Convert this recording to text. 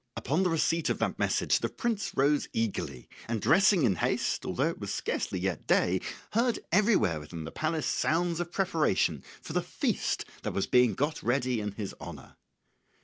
] Upon the receipt of that message the prince rose eagerly, and dressing in haste, although it was scarcely yet day, heard everywhere within the palace sounds of preparation for the feast that was being got ready in his honour.